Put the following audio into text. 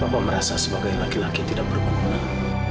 bapak merasa sebagai laki laki yang tidak berguna